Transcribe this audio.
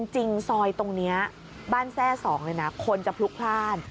จริงซอยตรงนี้บ้านแทร่๒เลยนะคนจะพลุกพลาด